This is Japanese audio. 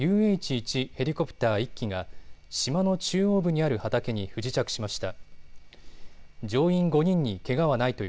１ヘリコプター１機が島の中央部にある畑に不時着しました。